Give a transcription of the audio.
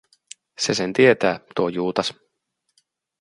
Se sen tietää, tuo Juutas.